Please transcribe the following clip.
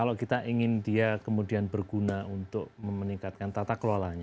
kalau kita ingin dia kemudian berguna untuk meningkatkan tata kelolanya